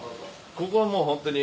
ここはもうホントに。